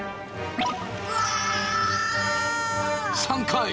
３回。